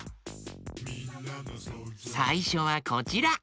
さいしょはこちら。